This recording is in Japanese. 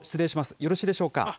よろしいでしょうか。